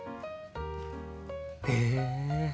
へえ。